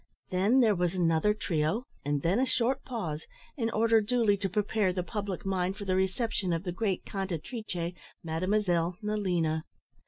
Then there was another trio, and then a short pause, in order duly to prepare the public mind for the reception of the great cantatrice Mademoiselle Nelina.